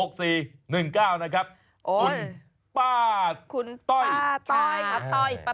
คุณป้าต้อยค่ะป้าต้อยป้าต้อยป้าต้อยค่ะ